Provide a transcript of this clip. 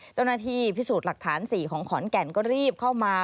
เจ้าหน้าที่พิสูจน์หลักฐาน๔ของขอนแก่นก็รีบเข้ามา